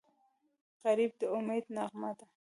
غریب د امید نغمه ده